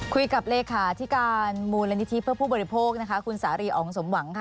คุยกับเลขาที่การมูลนิธิเพื่อผู้บริโภคนะคะคุณสารีอ๋องสมหวังค่ะ